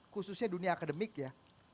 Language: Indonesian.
khususnya dunia akademik ya